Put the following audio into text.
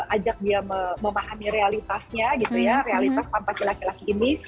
ajak dia memahami realitasnya gitu ya realitas tanpa si laki laki ini